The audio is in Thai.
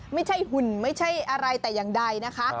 หุ่นไม่ใช่อะไรแต่อย่างใดนะคะ